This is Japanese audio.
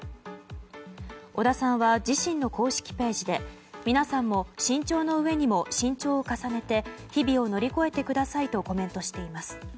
小田さんは自身の公式ページで皆さんも慎重のうえにも慎重を重ねて日々を乗り越えてくださいとコメントしています。